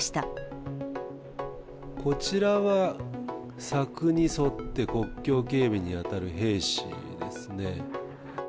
こちらは、柵に沿って国境警備に当たる兵士ですね。